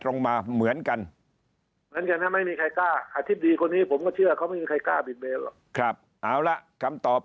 คนนี้ผมก็เชื่อเขาไม่มีใครกล้าบินเบนครับเอาละคำตอบ